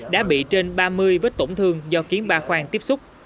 đã bị trên ba mươi vết tổn thương do kiến ba khoang tiếp xúc